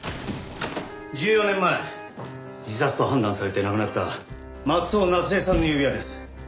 １４年前自殺と判断されて亡くなった松尾夏恵さんの指輪です。